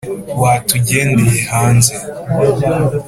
watugendeye hanze